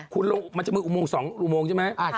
คุณมาจำเป็นอุโมง๒ใช่ไหม